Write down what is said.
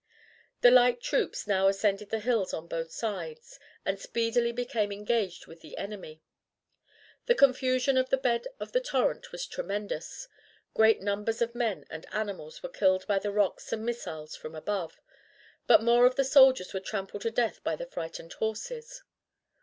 The light troops now ascended the hills on both sides, and speedily became engaged with the enemy. The confusion in the bed of the torrent was tremendous. Great numbers of men and animals were killed by the rocks and missiles from above, but more of the soldiers were trampled to death by the frightened horses.